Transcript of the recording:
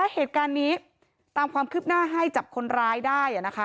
เหตุการณ์นี้ตามความคืบหน้าให้จับคนร้ายได้